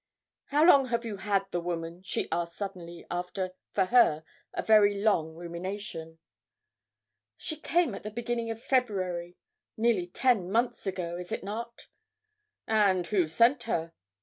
'How long have you had that woman?' she asked suddenly, after, for her, a very long rumination. 'She came in the beginning of February nearly ten months ago is not it?' 'And who sent her?'